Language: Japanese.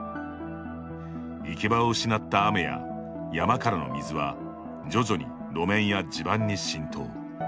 行き場を失った雨や山からの水は徐々に路面や地盤に浸透。